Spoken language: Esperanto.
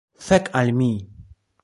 Fek' al mi!